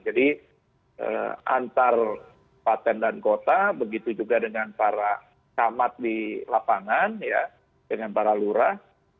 jadi antar paten dan kota begitu juga dengan para kamat di lapangan dengan para lurah